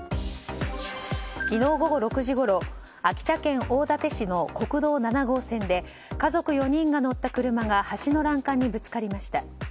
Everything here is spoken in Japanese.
昨日午後６時ごろ秋田県大館市の国道７号線で家族４人が乗った車が橋の欄干にぶつかりました。